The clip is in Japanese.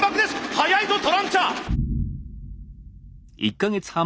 速いぞトランチャー！